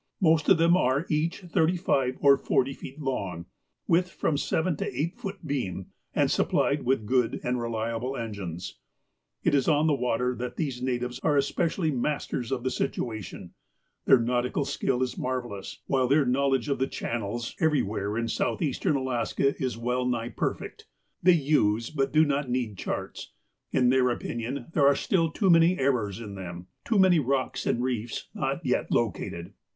Most of them are each thirty five or forty feet long, with from seven to eight foot beam, and supplied with good and reliable engines. It is on the water that these natives are especially masters of the situation. Their nautical skill is marvel lous, while their knowledge of the channels eveiywhere 348 THE APOSTLE OF ALASKA iu Soiitheasteru Alaska is well nigh perfect. They use, but do not need, charts. In their opinion, there are still too many errors in them — too many rocks and reefs not yet located.